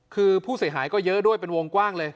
คือผู้เสียหายก็เยอะด้วยเป็นวงกว้างเลย